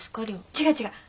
違う違う。